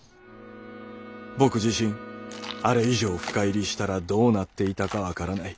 僕自身あれ以上深入りしたらどうなっていたか分からない。